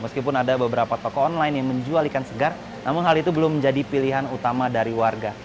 meskipun ada beberapa toko online yang menjual ikan segar namun hal itu belum menjadi pilihan utama dari warga